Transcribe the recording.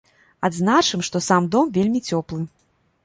Адзначым, што сам дом вельмі цёплы.